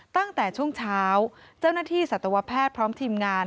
ตั้งแต่ช่วงเช้าเจ้าหน้าที่สัตวแพทย์พร้อมทีมงาน